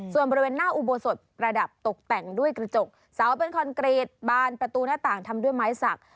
ส่วนบริเวณหน้าอุโบสถประดับตกแต่งด้วยกระจกเสาเป็นคอนกรีตบานประตูหน้าต่างทำด้วยไม้สัก